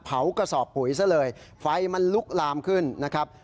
กระสอบปุ๋ยซะเลยไฟมันลุกลามขึ้นนะครับ